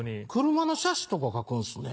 車の車種とか書くんですね。